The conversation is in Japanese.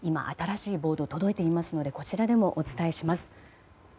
新しいボードが届いていますのでこちらでもお伝えします。